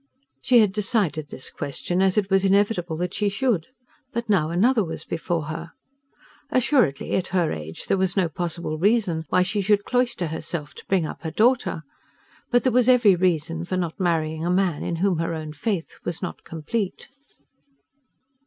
She had decided this question as it was inevitable that she should; but now another was before her. Assuredly, at her age, there was no possible reason why she should cloister herself to bring up her daughter; but there was every reason for not marrying a man in whom her own faith was not complete...